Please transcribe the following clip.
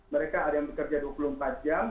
mereka ada yang bekerja dua puluh empat jam